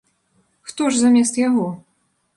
Хто ж замест яго?